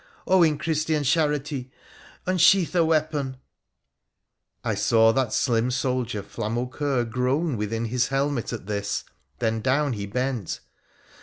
Oh, in Christian charity unsheath a weapon !' I saw that slim soldier Flamaucoeur groan within his helmet at this, then down he bent.